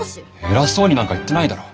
偉そうになんか言ってないだろ！